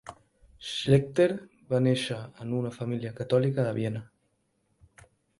Schlechter va néixer en una família catòlica de Viena.